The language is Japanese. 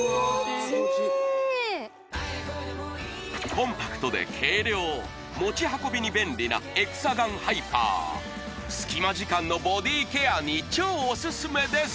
コンパクトで軽量持ち運びに便利なエクサガンハイパー隙間時間のボディケアに超おすすめです